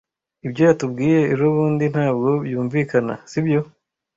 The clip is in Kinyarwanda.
Ibyo yatubwiye ejobundi ntabwo byumvikana, sibyo?